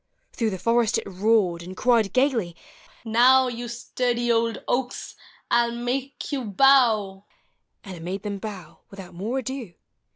Through the forest it roared, and cried, gayly, u Now, You sturdy old oaks, I '11 make you bow! " And it made them bow without more ado.